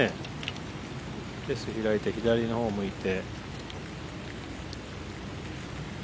フェース開いて左のほう向いて。